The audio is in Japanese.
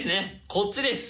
こっちです。